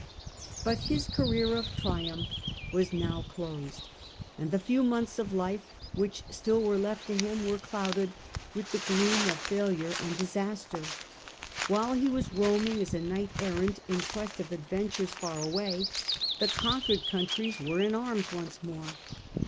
But his career ot triumph was now closed, and the few months of life which still were left to him were clouded with the gloom of failure and disaster. While he was roaming as a knight errant in quest of adventures far away, the conquered countries were in arms once more.